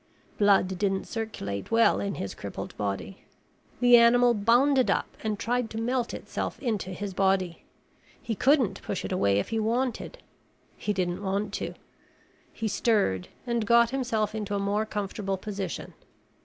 Blood didn't circulate well in his crippled body. The animal bounded up and tried to melt itself into his body. He couldn't push it away if he wanted. He didn't want to. He stirred and got himself into a more comfortable position.